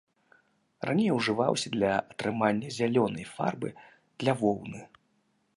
Раней ўжываўся для атрымання зялёнай фарбы для воўны.